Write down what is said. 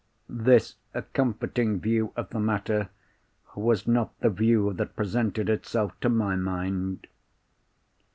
This comforting view of the matter was not the view that presented itself to my mind.